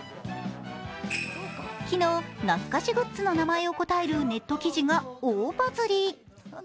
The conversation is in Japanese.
昨日、懐かしグッズの名前を答えるネット記事が大バズり。